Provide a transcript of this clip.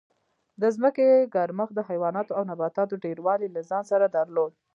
د ځمکې ګرمښت د حیواناتو او نباتاتو ډېروالی له ځان سره درلود